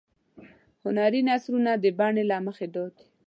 هنري نثرونه د بڼې له مخې دادي.